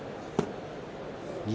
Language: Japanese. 錦